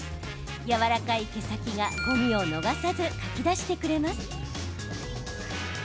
やわらかい毛先がごみを逃さずかき出してくれます。